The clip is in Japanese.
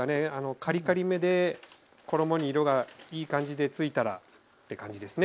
カリカリめで衣に色がいい感じでついたらって感じですね。